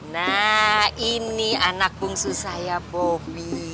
nah ini anak bungsu saya bobi